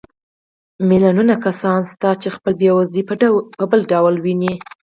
میلیونونه کسان شته چې خپله بېوزلي په بل ډول ویني